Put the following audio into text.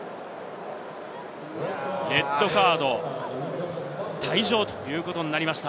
レッドカード、退場ということになりました。